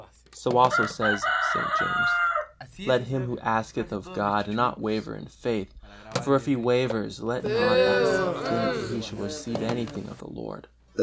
So also says St. James: "Let him who asketh of God not waver in faith; for if he wavers, let not that man think that he shall receive any thing of the Lord."